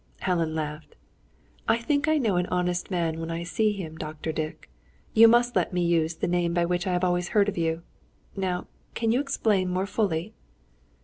Helen laughed. "I think I know an honest man when I see him, Dr. Dick. You must let me use the name by which I have always heard of you. Now, can you explain more fully?"